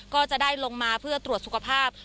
ก็จะได้ลงมาเพื่อตรวจสุขภาพ